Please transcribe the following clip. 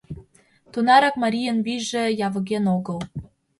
Тунарак марийын вийже явыген огыл.